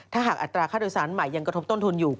ถ้าหากอัตราค่าโดยสารใหม่ยังกระทบต้นทุนอยู่